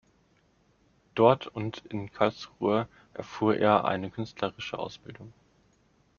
Dort und in Karlsruhe erfuhr er eine künstlerische Ausbildung.